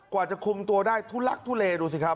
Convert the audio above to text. กว่าจะคุมตัวได้ทุลักทุเล